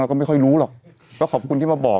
ก็ไม่ค่อยรู้หรอกก็ขอบคุณที่มาบอก